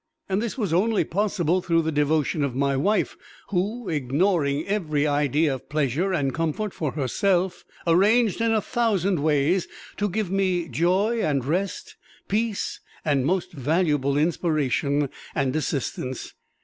And this was only possible through the devotion of my wife, who, ignoring every idea of pleasure and comfort for herself, arranged in a thousand ways to give me joy and rest, peace and most valuable inspiration and assistance.